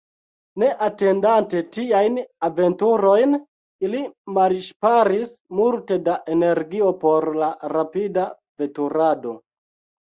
Ne atendante tiajn aventurojn, ili malŝparis multe da energio por la rapida veturado..